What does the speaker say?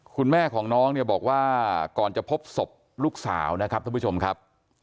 คุณแม่ของน้องเนี่ยบอกว่าก่อนจะพบศพลูกสาวนะครับท่านผู้ชมครับ